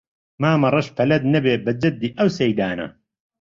مامەڕەش پەلەت نەبێ بە جەددی ئەو سەیدانە